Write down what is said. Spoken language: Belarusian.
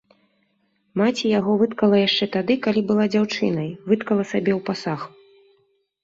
Маці яго выткала яшчэ тады, калі была дзяўчынай, выткала сабе ў пасаг.